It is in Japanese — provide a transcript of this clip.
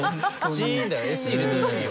チンだよＳＥ入れてほしいよ